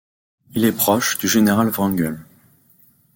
Il est proche du général Wrangel.